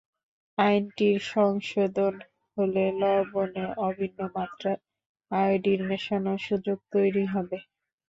আইনটির সংশোধন হলে লবণে অভিন্ন মাত্রায় আয়োডিন মেশানোর সুযোগ তৈরি হবে।